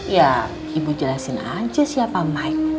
ya ibu jelasin aja siapa mike